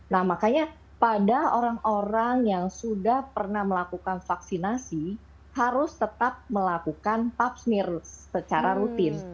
nah makanya pada orang orang yang sudah pernah melakukan vaksinasi harus tetap melakukan pubsmir secara rutin